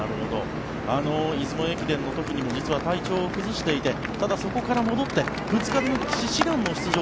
出雲駅伝の時にも実は体調を崩していてただ、そこから戻って２日で志願の出場。